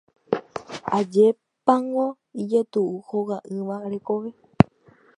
Ajépango ijetu'u hoga'ỹva rekove.